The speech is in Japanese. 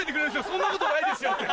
そんなことないですよって。